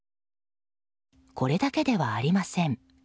これだけではありません。